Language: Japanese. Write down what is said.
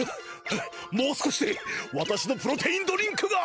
もう少しでわたしのプロテインドリンクが！